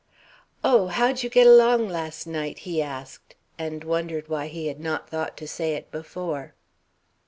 "Oh, how'd you get along last night?" he asked, and wondered why he had not thought to say it before.